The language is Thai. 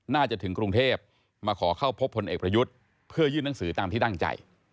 ถึงกรุงเทพมาขอเข้าพบพลเอกประยุทธ์เพื่อยื่นหนังสือตามที่ตั้งใจ